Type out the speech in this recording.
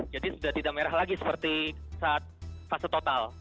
jadi sudah tidak merah lagi seperti saat fase total